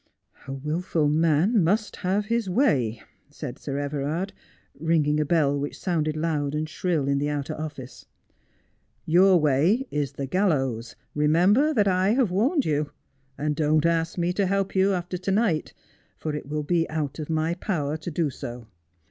' A wilful man must have his way,' said Sir Everard, ringing a bell which sounded loud and shrill in the outer office. ' Your Didcie Asks Questions. 27 way is the gallows. Remember that I have warned you, and don't ask me to help you after to night, for it will be out of my power to do so.